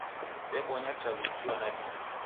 Debonya chaghu kio na dime